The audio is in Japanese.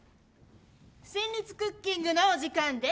戦慄クッキングのお時間です。